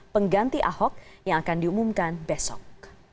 pengganti ahok yang akan diumumkan besok